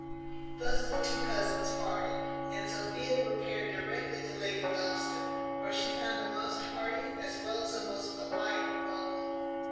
Thus the two cousins parted, and Sophia repaired directly to Lady Bellaston, where she found a most hearty, as well as a most polite, welcome.